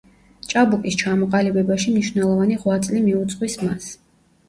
ჭაბუკის ჩამოყალიბებაში მნიშვნელოვანი ღვაწლი მიუძღვის მას.